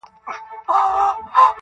سم پسرلى ترې جوړ سي.